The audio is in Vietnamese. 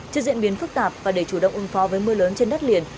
trước diễn biến phức tạp và để chủ động ứng phó với mưa lớn trên đất liền